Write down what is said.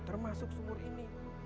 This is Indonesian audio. termasuk sumur ini